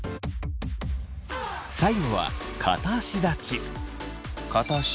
最後は片足立ち。